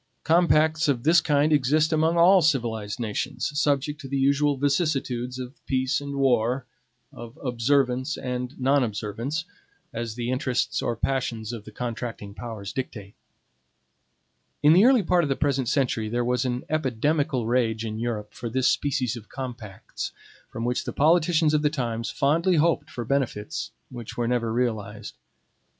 Compacts of this kind exist among all civilized nations, subject to the usual vicissitudes of peace and war, of observance and non observance, as the interests or passions of the contracting powers dictate. In the early part of the present century there was an epidemical rage in Europe for this species of compacts, from which the politicians of the times fondly hoped for benefits which were never realized.